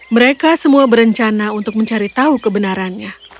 mereka semua berencana untuk mencari tahu kebenarannya